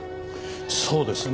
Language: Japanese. そうですね。